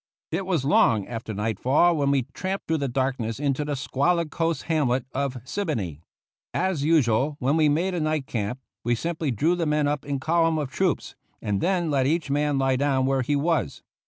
It was long after nightfall when we tramped through the darkness into the squalid coast hamlet of Siboney. As usual when we made a night camp, we simply drew the men up in column of troops, and then let each man lie down where he was.